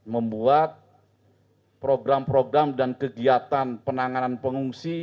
membuat program program dan kegiatan penanganan pengungsi